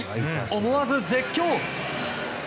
思わず絶叫。